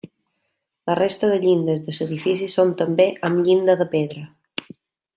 La resta de llindes de l'edifici són també amb llinda de pedra.